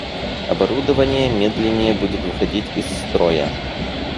Оборудование медленнее будет выходить из строя